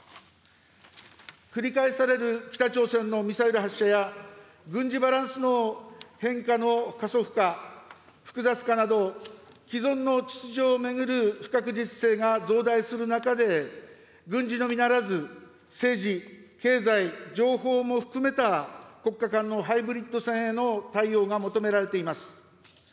繰り返される北朝鮮のミサイル発射や、軍事バランスの変化の加速化・複雑化など、既存の秩序を巡る不確実性が増大する中で、軍事のみならず、政治・経済・情報も含めた国家間のハイブリッド戦への対応が求められています。